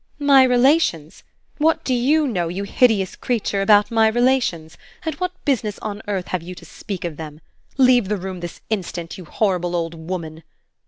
"My relations? What do you know, you hideous creature, about my relations, and what business on earth have you to speak of them? Leave the room this instant, you horrible old woman!"